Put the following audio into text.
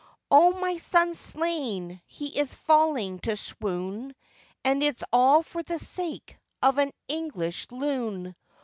'O, my son's slain, he is falling to swoon, And it's all for the sake of an English loon.